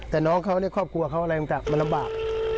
แต่น้องเขาในครอบครัวเขาอะไรต่างมันลำบาก